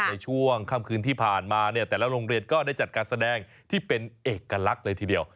ในช่วงค่ำคืนที่ผ่านมาเนี่ยแต่ละโรงเรียนก็ได้จัดการแสดงที่เป็นเอกลักษณ์เลยทีเดียว